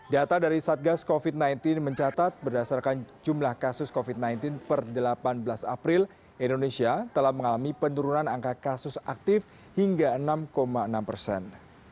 data dari satgas covid sembilan belas mencatat berdasarkan jumlah kasus covid sembilan belas per delapan belas april indonesia telah mengalami penurunan angka kasus aktif hingga enam enam persen